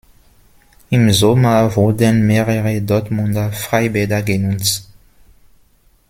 Im Sommer wurden mehrere Dortmunder Freibäder genutzt.